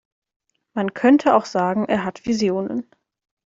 Man könnte auch sagen, er hat Visionen.